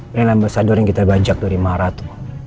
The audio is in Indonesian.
ini lambasador yang kita bajak dari maharatu